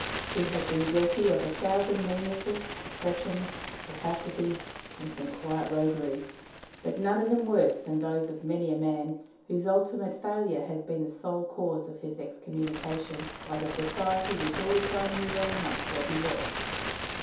He had been guilty of a thousand meannesses, oppressions, rapacities, and some quiet rogueries, but none of them worse than those of many a man whose ultimate failure has been the sole cause of his excommunication by the society which all the time knew well enough what he was.